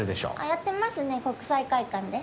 やってますね、国際会館で。